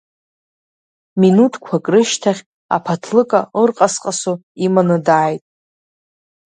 Минуҭқәак рышьҭахь аԥаҭлыка ырҟасҟасо иманы дааит.